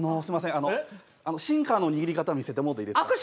あのシンカーの握り方見せてもうていいですか？